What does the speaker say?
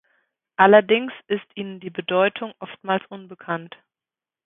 Allerdings ist ihnen die Bedeutung oftmals unbekannt.